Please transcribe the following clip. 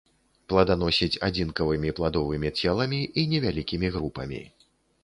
Пладаносіць адзінкавымі пладовымі целамі і невялікімі групамі.